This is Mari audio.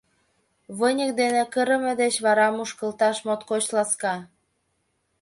Выньык дене кырыме деч вара мушкылташ моткоч ласка.